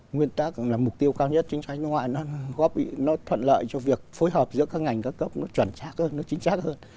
nguyên tắc là mục tiêu cao nhất chính sách đối ngoại nó góp thuận lợi cho việc phối hợp giữa các ngành các cấp nó chuẩn trác hơn nó chính xác hơn